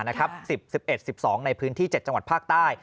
๑๑๑๑๒ในพื้นที่๗จังหวัดภาคใต้